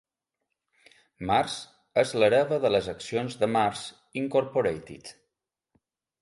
Mars és l'hereva de les accions de Mars, Incorporated.